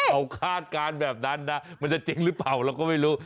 เขาคาดการณ์แบบนั้นนะมันจะจริงหรือเปล่าเราก็ไม่รู้